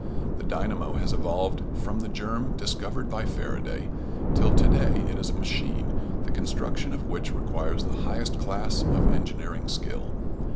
The dynamo has evolved from the germ discovered by Faraday, till to day it is a machine, the construction of which requires the highest class of engineering skill.